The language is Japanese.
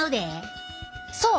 そう！